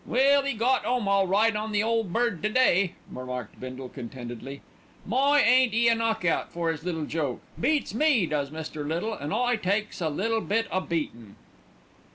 "Well, 'e got 'ome all right on the Ole Bird to day," remarked Bindle contentedly. "My! ain't 'e a knock out for 'is little joke. Beats me does Mr. Little, an' I takes a bit o' beatin'."